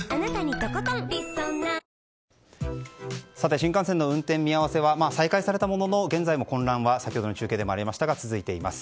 新幹線の運転見合わせは再開されたものの先ほどの中継でもありましたが現在も混乱が続いています。